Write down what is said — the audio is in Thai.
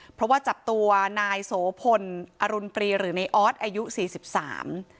เพราะว่าจับตัวนายโสพลอรุณปรีหรือในออสอายุสี่สิบสาม